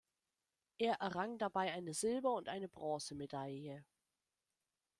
Er errang dabei eine Silber- und eine Bronzemedaille.